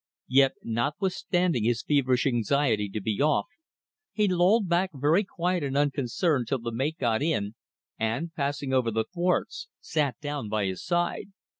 Yet, notwithstanding his feverish anxiety to be off, he lolled back very quiet and unconcerned till the mate got in and, passing over the thwarts, sat down by his side.